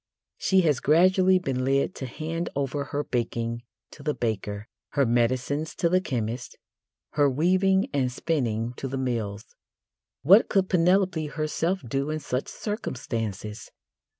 She has gradually been led to hand over her baking to the baker, her medicines to the chemist, her weaving and spinning to the mills. What could Penelope herself do in such circumstances?